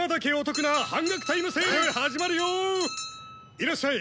いらっしゃい。